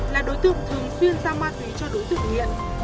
là đối tượng thường xuyên giao ma túy cho đối tượng nghiện